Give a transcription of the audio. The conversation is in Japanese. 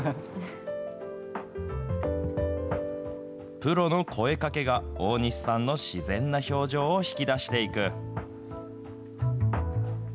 プロの声かけが大西さんの自然な表情を引き出していく。